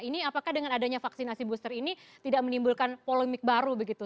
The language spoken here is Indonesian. ini apakah dengan adanya vaksinasi booster ini tidak menimbulkan polemik baru begitu